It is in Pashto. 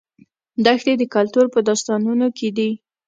دښتې د کلتور په داستانونو کې دي.